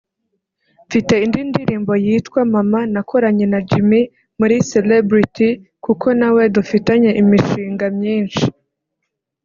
Mfite indi ndirimbo yitwa ’Mama’ nakoranye na Jimmy muri Celebrity kuko nawe dufitanye imishinga myinshi